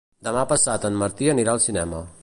Demà passat en Martí anirà al cinema.